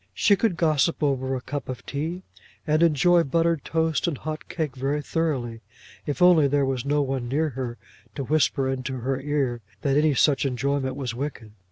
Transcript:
She could gossip over a cup of tea, and enjoy buttered toast and hot cake very thoroughly, if only there was no one near her to whisper into her ear that any such enjoyment was wicked.